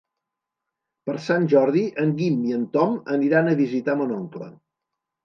Per Sant Jordi en Guim i en Tom aniran a visitar mon oncle.